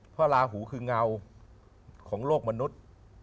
เพราะลาหูคือเงาของโลกมนุษย์